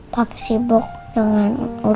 papa sibuk dengan urusan papa sendiri